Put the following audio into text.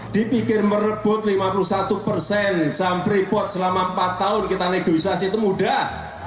dipikir merebut lima puluh satu persen saham freeport selama empat tahun kita negosiasi itu mudah